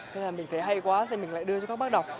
nên là mình thấy hay quá nên mình lại đưa cho các bác đọc